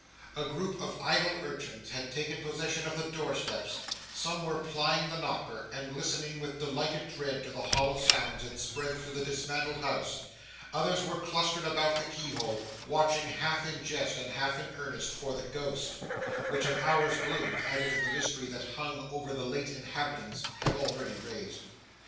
A group of idle urchins had taken possession of the door steps; some were plying the knocker and listening with delighted dread to the hollow sounds it spread through the dismantled house; others were clustered about the keyhole, watching half in jest and half in earnest for 'the ghost,' which an hour's gloom, added to the mystery that hung about the late inhabitants, had already raised.